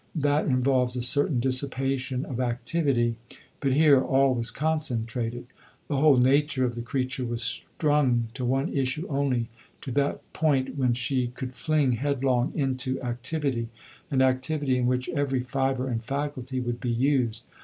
That involves a certain dissipation of activity; but here all was concentrated. The whole nature of the creature was strung to one issue only, to that point when she could fling headlong into activity an activity in which every fibre and faculty would be used.